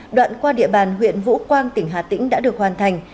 đoạn qua địa bàn huyện vũ quang tỉnh hà tĩnh đã được hoàn thành